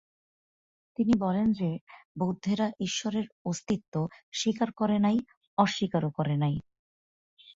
তিনি বলেন যে, বৌদ্ধেরা ঈশ্বরের অস্তিত্ব স্বীকার করে নাই, অস্বীকারও করে নাই।